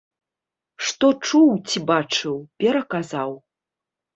Што чуў ці бачыў, пераказаў.